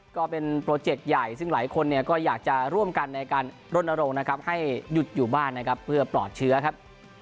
ก็เป็นโปรเจกต์ใหญ่ซึ่งหลายคนเนี่ยก็อยากจะร่วมกันในการรณรงค์นะครับให้หยุดอยู่บ้านนะครับเพื่อปลอดเชื้อครับ